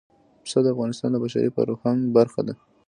پسه د افغانستان د بشري فرهنګ برخه ده.